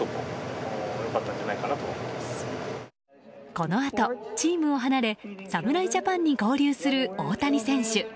このあと、チームを離れ侍ジャパンに合流する大谷選手。